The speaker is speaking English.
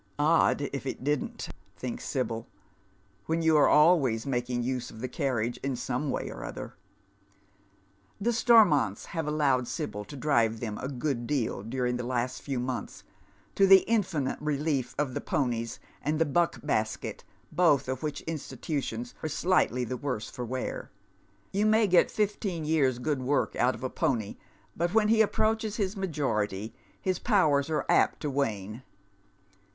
"Odd if it didn't," tliinks Sibyl, "when you are always makiog use of the carriage in some way or otlier." Tlie Stormonts have allowed Sibyl to drive tliem a good deal during the last few montlis. to the iiifmite relief of the ponies and the buck basket, both of which institutions are eiightly the worse for wear. You may get fifteen years' good work out of a pony, but when he approaches his majority his powers are apt to wane.